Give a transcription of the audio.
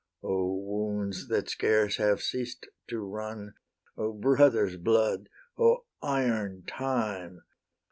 O wounds that scarce have ceased to run! O brother's blood! O iron time!